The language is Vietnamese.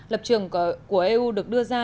lập trường của eu được đưa ra